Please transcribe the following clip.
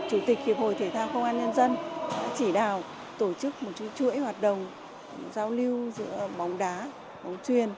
chủ tịch hiệp hội thể thao công an nhân dân đã chỉ đạo tổ chức một chú chuỗi hoạt động giao lưu giữa bóng đá bóng truyền